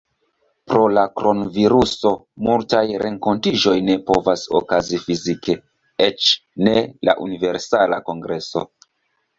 Pro la kronviruso multaj renkontiĝoj ne povas okazi fizike, eĉ ne la Universala Kongreso.